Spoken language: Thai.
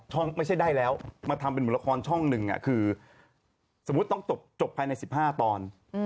ถ้าให้แล้วมาทำเป็นละครช่องหนึ่งคือสมมุติต้องจบภายใน๑๕ตอน